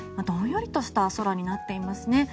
どんよりとした空になっていますね。